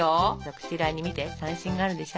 そっち側に見て三線があるでしょ。